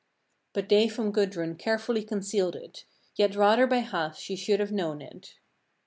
27. But they from Gudrun carefully concealed it, yet rather by half she should have known it.